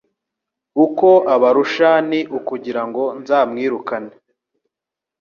uko abarusha ni ukugira ngo nzamwirukane